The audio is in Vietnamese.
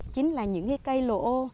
chính là những cây lỗ ô